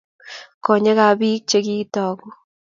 Konyekab bik chekitoku